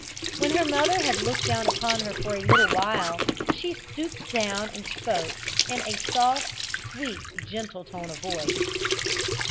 When her mother had looked down upon her for a little while, she stooped down and spoke, in a soft, sweet, gentle tone of voice.